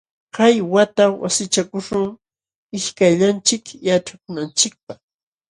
Kay wata wasichakuśhun ishkayllanchik yaćhakunanchikpaq.